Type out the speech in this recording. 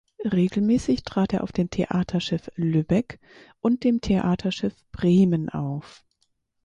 Regelmäßig trat er auf dem „Theaterschiff Lübeck“ und dem „Theaterschiff Bremen“ auf.